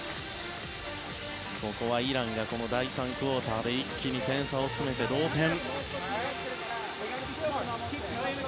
ここはイランがこの第３クオーターで一気に点差を詰めて、同点。